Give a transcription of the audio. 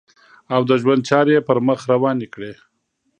او د ژوند چارې یې پر مخ روانې کړې.